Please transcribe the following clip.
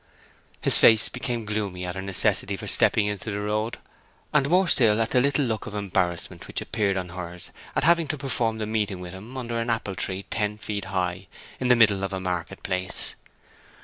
His face became gloomy at her necessity for stepping into the road, and more still at the little look of embarrassment which appeared on hers at having to perform the meeting with him under an apple tree ten feet high in the middle of the market place.